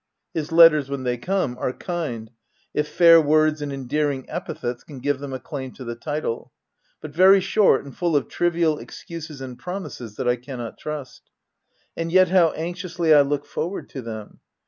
His letters, when they come, are kind — if fair words and endearing epithets can give them a claim to the title — but very short, and full of trivial excuses and promises that I cannot trust ; and yet how anxiously I look OF WILDFELL HALL. 105 forward to them